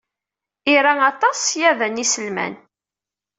Ira aṭas ṣṣyada n yiselman.